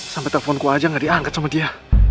sampai teleponku aja gak diangkat sama dia